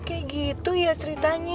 kayak gitu ya ceritanya